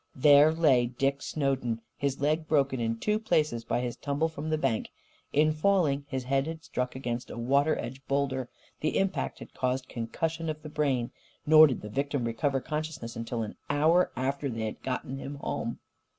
There lay Dick Snowden, his leg broken in two places by his tumble from the bank. In falling, his head had struck against a water edge boulder. The impact had caused concussion of the brain. Nor did the victim recover consciousness until an hour after they had gotten him home.